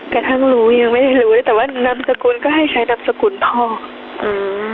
กระทั่งรู้ยังไม่ได้รู้แต่ว่านามสกุลก็ให้ใช้นามสกุลพ่ออืม